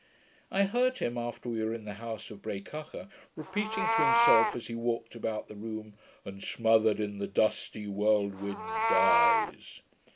I heard him, after we were in the house of Breacacha, repeating to himself, as he walked about the room, '"And smother'd in the dusty whirlwind, dies."'